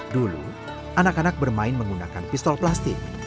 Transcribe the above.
dulu anak anak bermain menggunakan pistol plastik